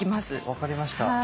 分かりました。